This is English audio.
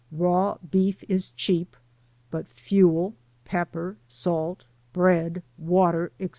Raw beef is cheap, but fuel *, pepper, salt, bread, water, &c.